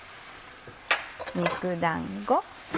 肉だんご。